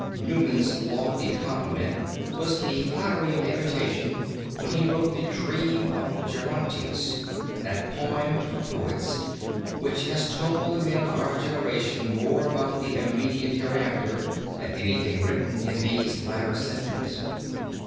Newman's lofty compliment was the flattery of imitation when he wrote the Dream of Gerontius, that poem for poets which has told the men of our generation more about the immediate hereafter than anything written in these latter centuries.